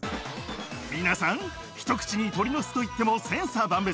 皆さんひと口に鳥の巣といっても千差万別。